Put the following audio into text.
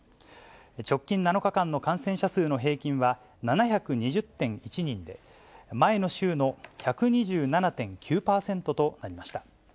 直近７日間の感染者数の平均は、７２０．１人で、前の週の１２７．９％となりました。